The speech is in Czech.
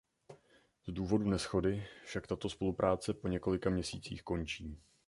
Z důvodu neshody však tato spolupráce po několika měsících končí.